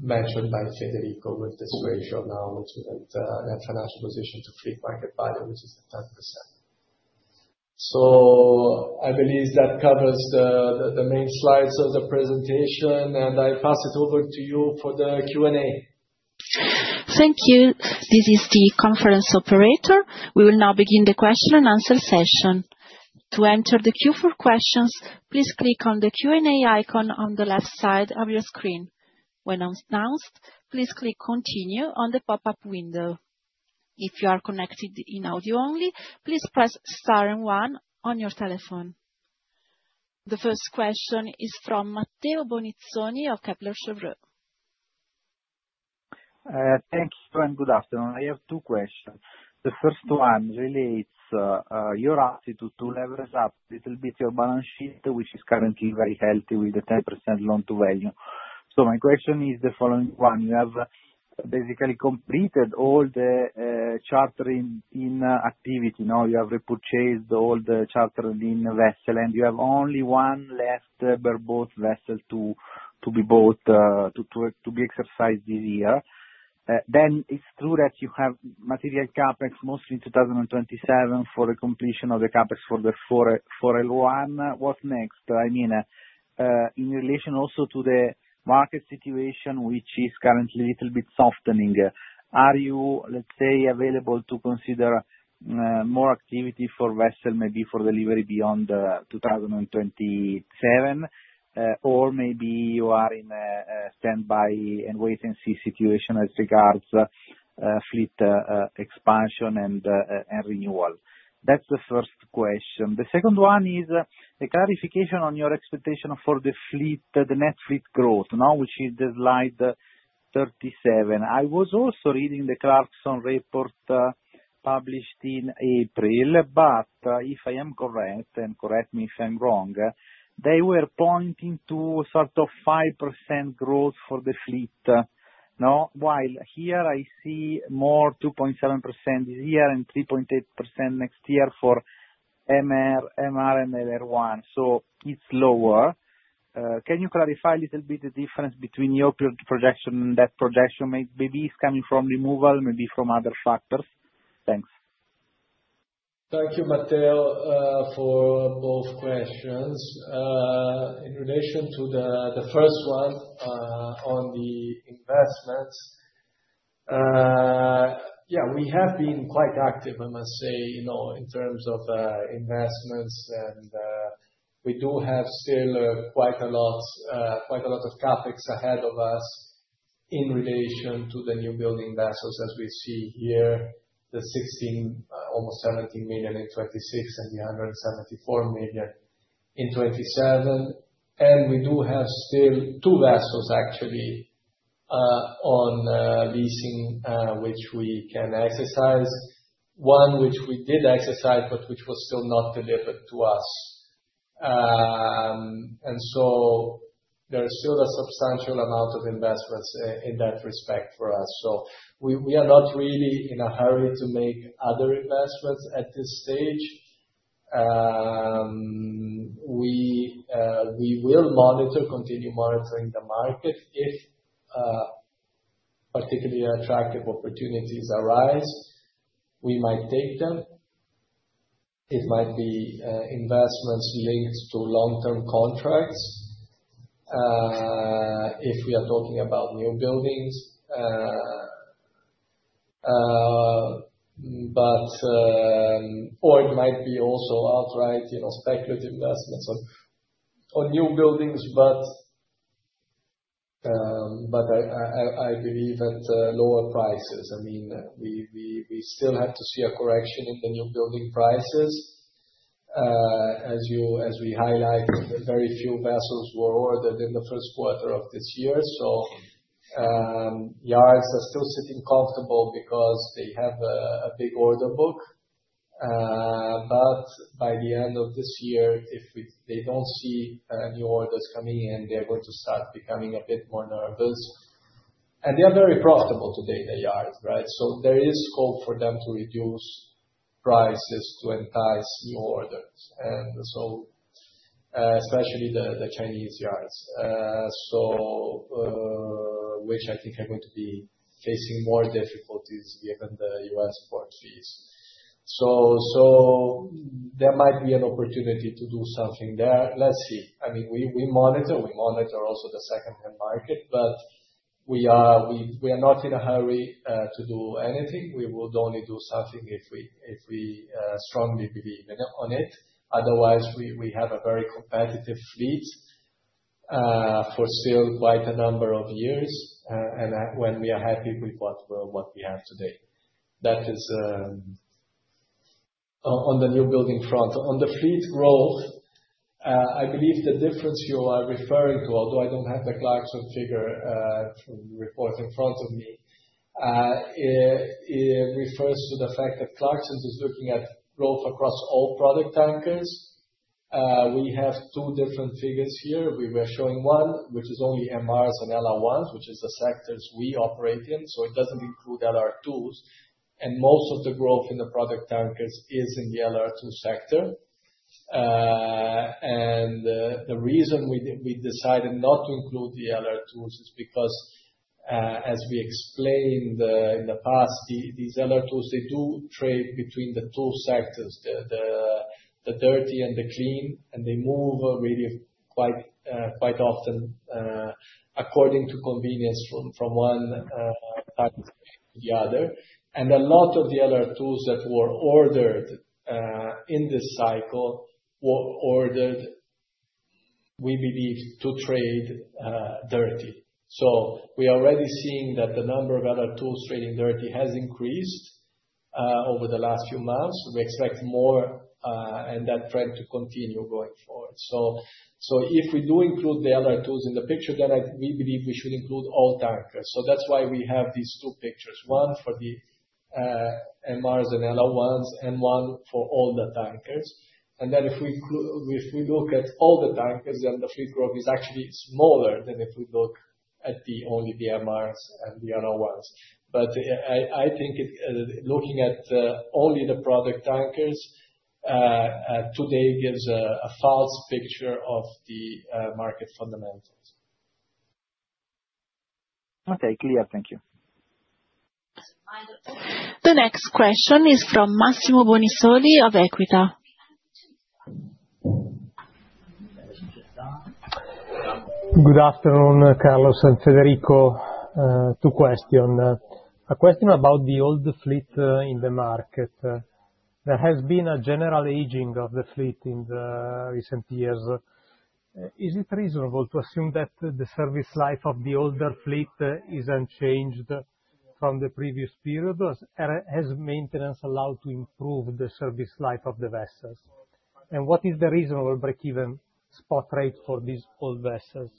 mentioned by Federico, with this ratio now that we are in a financial position to fleet market value, which is at 10%. I believe that covers the main slides of the presentation, and I pass it over to you for the Q&A. Thank you. This is the conference operator. We will now begin the question and answer session. To enter the queue for questions, please click on the Q&A icon on the left side of your screen. When announced, please click Continue on the pop-up window. If you are connected in audio only, please press Star and 1 on your telephone. The first question is from Matteo Bonizzoni of Kepler Cheuvreux. Thank you and good afternoon. I have two questions. The first one relates to your attitude to leverage up a little bit your balance sheet, which is currently very healthy with the 10% loan to value. My question is the following one. You have basically completed all the chartering activity. You have repurchased all the chartering in vessel, and you have only one left bareboat vessel to be bought to be exercised this year. It is true that you have material CapEx mostly in 2027 for the completion of the CapEx for the four LR1. What next? I mean, in relation also to the market situation, which is currently a little bit softening, are you, let's say, available to consider more activity for vessel, maybe for delivery beyond 2027, or maybe you are in a standby and wait-and-see situation as regards fleet expansion and renewal? That's the first question. The second one is a clarification on your expectation for the fleet, the net fleet growth, which is the slide 37. I was also reading the Clarkson report published in April, but if I am correct, and correct me if I'm wrong, they were pointing to sort of 5% growth for the fleet. While here I see more 2.7% this year and 3.8% next year for MR and LR1. So it's lower. Can you clarify a little bit the difference between your projection and that projection? Maybe it's coming from removal, maybe from other factors. Thanks. Thank you, Matteo, for both questions. In relation to the first one on the investments, yeah, we have been quite active, I must say, in terms of investments. And we do have still quite a lot of CapEx ahead of us in relation to the new building vessels, as we see here, the 16, almost 17 million in 2026 and the $174 million in 2027. We do have still two vessels, actually, on leasing, which we can exercise. One which we did exercise, but which was still not delivered to us. There is still a substantial amount of investments in that respect for us. We are not really in a hurry to make other investments at this stage. We will continue monitoring the market. If particularly attractive opportunities arise, we might take them. It might be investments linked to long-term contracts if we are talking about new buildings. It might be also outright speculative investments on new buildings, but I believe at lower prices. I mean, we still have to see a correction in the new building prices, as we highlighted. Very few vessels were ordered in the first quarter of this year. Yards are still sitting comfortable because they have a big order book. By the end of this year, if they do not see new orders coming in, they are going to start becoming a bit more nervous. They are very profitable today, the yards, right? There is scope for them to reduce prices to entice new orders. Especially the Chinese yards, which I think are going to be facing more difficulties given the U.S. port fees. There might be an opportunity to do something there. Let's see. I mean, we monitor. We monitor also the second-hand market, but we are not in a hurry to do anything. We would only do something if we strongly believe in it. Otherwise, we have a very competitive fleet for still quite a number of years, and we are happy with what we have today. That is on the new building front. On the fleet growth, I believe the difference you are referring to, although I don't have the Clarkson figure report in front of me, refers to the fact that Clarkson is looking at growth across all product tankers. We have two different figures here. We were showing one, which is only MRs and LR1s, which is the sectors we operate in. It doesn't include LR2s. Most of the growth in the product tankers is in the LR2 sector. The reason we decided not to include the LR2s is because, as we explained in the past, these LR2s, they do trade between the two sectors, the dirty and the clean, and they move really quite often according to convenience from one time to the other. A lot of the LR2s that were ordered in this cycle were ordered, we believe, to trade dirty. We are already seeing that the number of LR2s trading dirty has increased over the last few months. We expect more and that trend to continue going forward. If we do include the LR2s in the picture, then we believe we should include all tankers. That is why we have these two pictures: one for the MRs and LR1s and one for all the tankers. If we look at all the tankers, then the fleet growth is actually smaller than if we look at only the MRs and the LR1s. I think looking at only the product tankers today gives a false picture of the market fundamentals. Okay, clear. Thank you. The next question is from Massimo Bonizzoni of Equita. Good afternoon, Carlos and Federico, two questions. A question about the old fleet in the market. There has been a general aging of the fleet in the recent years. Is it reasonable to assume that the service life of the older fleet is unchanged from the previous period? Has maintenance allowed to improve the service life of the vessels? What is the reasonable break-even spot rate for these old vessels?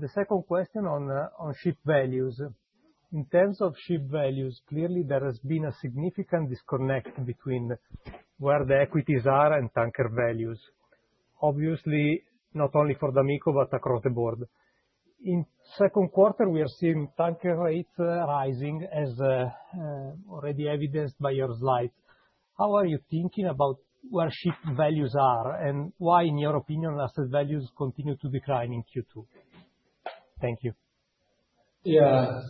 The second question on ship values. In terms of ship values, clearly there has been a significant disconnect between where the equities are and tanker values. Obviously, not only for d'Amico, but across the board. In second quarter, we are seeing tanker rates rising, as already evidenced by your slides. How are you thinking about where ship values are and why, in your opinion, asset values continue to decline in Q2? Thank you. Yeah.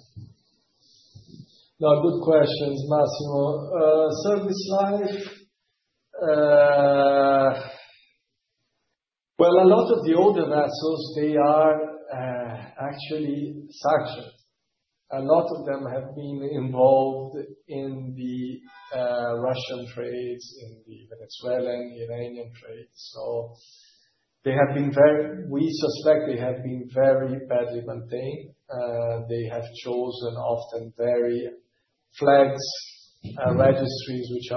No, good questions, Massimo. Service life. A lot of the older vessels, they are actually saturated. A lot of them have been involved in the Russian trades, in the Venezuelan, Iranian trades. They have been very—we suspect they have been very badly maintained. They have chosen often very flex registries, which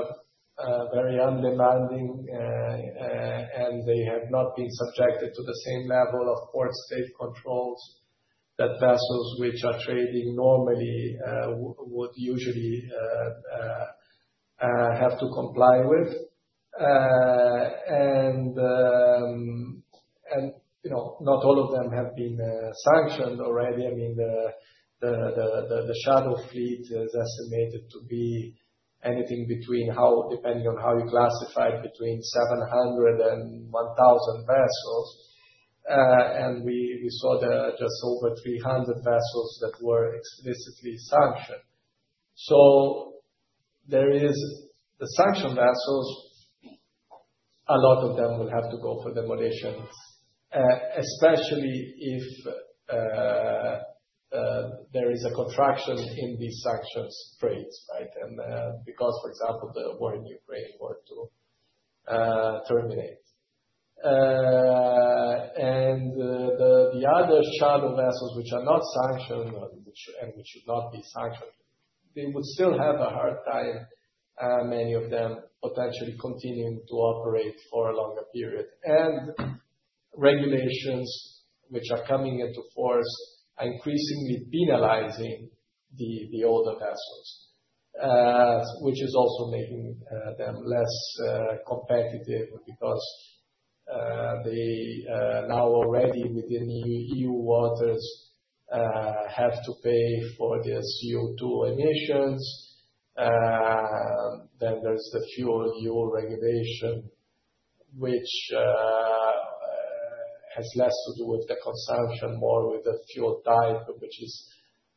are very undemanding, and they have not been subjected to the same level of port state controls that vessels which are trading normally would usually have to comply with. Not all of them have been sanctioned already. I mean, the shadow fleet is estimated to be anything between, depending on how you classify it, between 700 and 1,000 vessels. We saw just over 300 vessels that were explicitly sanctioned. The sanctioned vessels, a lot of them will have to go for demolition, especially if there is a contraction in these sanctions trades, right? For example, if the war in Ukraine were to terminate. The other shadow vessels, which are not sanctioned and which should not be sanctioned, would still have a hard time, many of them, potentially continuing to operate for a longer period. Regulations which are coming into force are increasingly penalizing the older vessels, which is also making them less competitive because they now already, within EU waters, have to pay for their CO2 emissions. There is the fuel EU regulation, which has less to do with the consumption, more with the fuel type, which is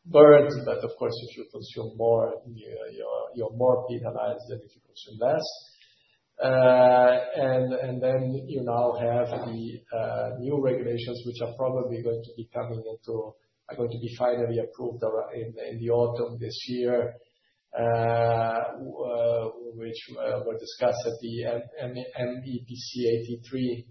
burned. Of course, if you consume more, you are more penalized than if you consume less. You now have the new regulations, which are probably going to be coming into—are going to be finally approved in the autumn this year, which were discussed at the MEPC 83,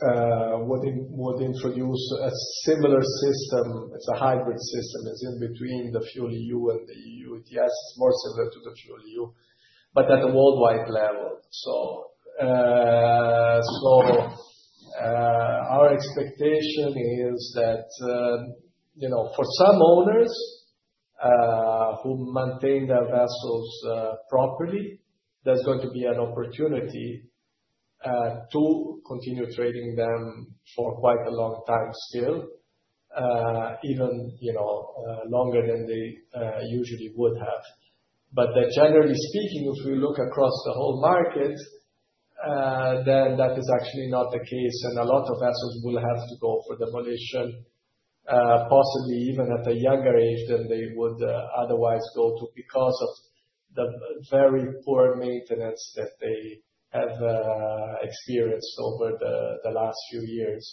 which would introduce a similar system. It is a hybrid system. It's in between the Fuel EU and the EU ETS. It's more similar to the Fuel EU, but at a worldwide level. Our expectation is that for some owners who maintain their vessels properly, there's going to be an opportunity to continue trading them for quite a long time still, even longer than they usually would have. Generally speaking, if we look across the whole market, that is actually not the case. A lot of vessels will have to go for demolition, possibly even at a younger age than they would otherwise go to because of the very poor maintenance that they have experienced over the last few years,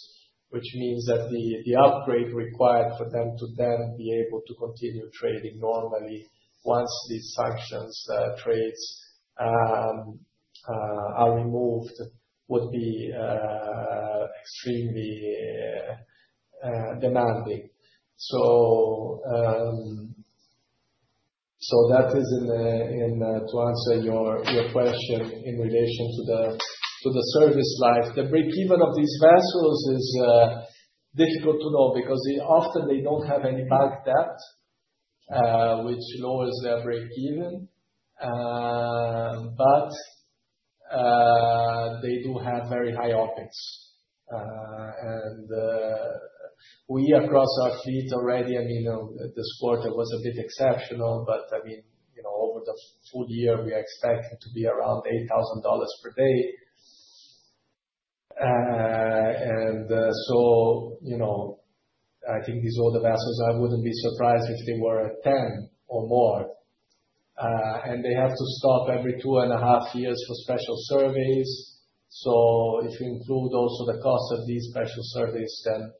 which means that the upgrade required for them to then be able to continue trading normally once these sanctions trades are removed would be extremely demanding. That is to answer your question in relation to the service life. The break-even of these vessels is difficult to know because often they do not have any bank debt, which lowers their break-even. They do have very high OPEX. We, across our fleet already, I mean, this quarter was a bit exceptional, but over the full year, we are expecting to be around $8,000 per day. I think these older vessels, I would not be surprised if they were at 10 or more. They have to stop every two and a half years for special surveys. If you include also the cost of these special surveys, then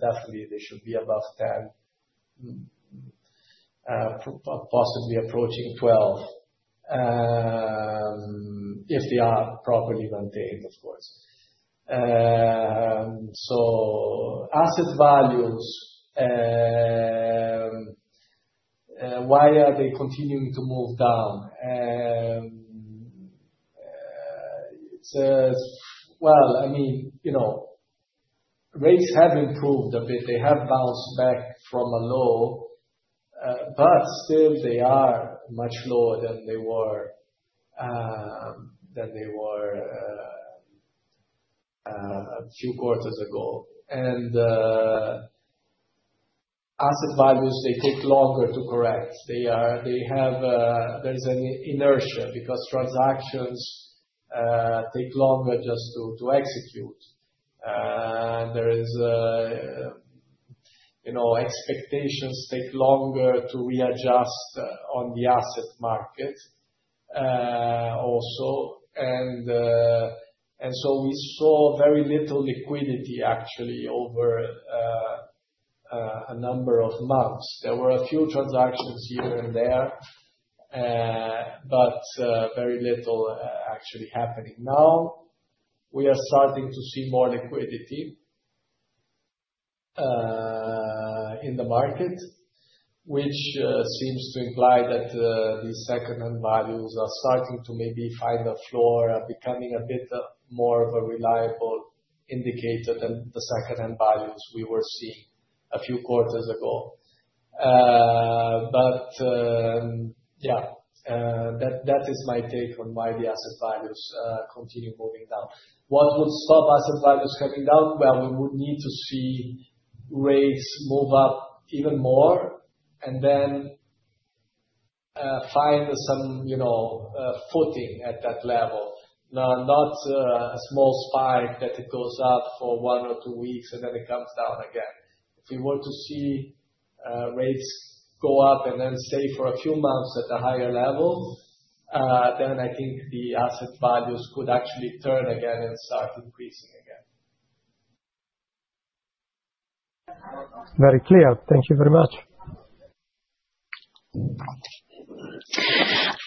definitely they should be above 10, possibly approaching 12, if they are properly maintained, of course. Asset values, why are they continuing to move down? I mean, rates have improved a bit. They have bounced back from a low, but still they are much lower than they were a few quarters ago. Asset values, they take longer to correct. There is an inertia because transactions take longer just to execute. Expectations take longer to readjust on the asset market also. We saw very little liquidity, actually, over a number of months. There were a few transactions here and there, but very little actually happening. Now we are starting to see more liquidity in the market, which seems to imply that the second-hand values are starting to maybe find a floor, becoming a bit more of a reliable indicator than the second-hand values we were seeing a few quarters ago. Yeah, that is my take on why the asset values continue moving down. What would stop asset values coming down? We would need to see rates move up even more and then find some footing at that level. Not a small spike that it goes up for one or two weeks and then it comes down again. If we were to see rates go up and then stay for a few months at a higher level, then I think the asset values could actually turn again and start increasing again. Very clear. Thank you very much.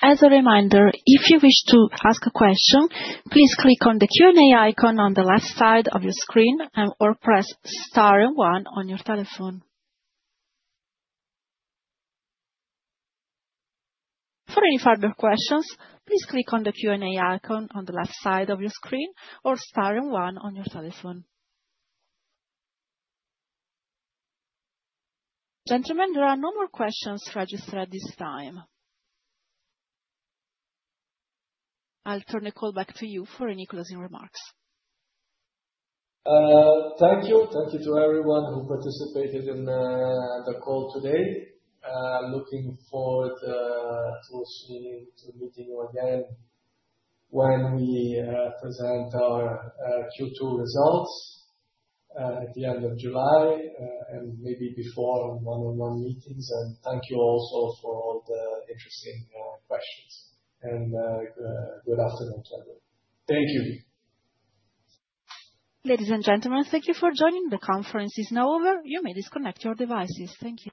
As a reminder, if you wish to ask a question, please click on the Q&A icon on the left side of your screen or press Star and 1 on your telephone. For any further questions, please click on the Q&A icon on the left side of your screen or Star and 1 on your telephone. Gentlemen, there are no more questions registered at this time. I'll turn the call back to you for any closing remarks. Thank you. Thank you to everyone who participated in the call today. Looking forward to meeting you again when we present our Q2 results at the end of July and maybe before in one-on-one meetings. Thank you also for all the interesting questions. Good afternoon to everyone. Thank you. Ladies and gentlemen, thank you for joining. The conference is now over. You may disconnect your devices. Thank you.